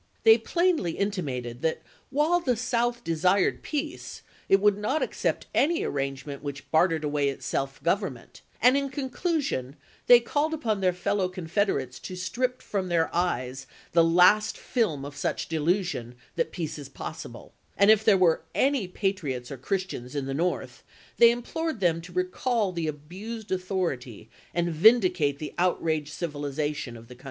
They plainly intimated that while the South desired peace, it would not accept any arrangement which bartered away its self government; and in conclusion they called upon their fellow Confed erates to strip from their "eyes the last film of such delusion " that peace is possible, and if there were " any patriots or Christians " in the North, ph^son, they implored them " to recall the abused author of18they ity and vindicate the outraged civilization of the Rebellion," J pp.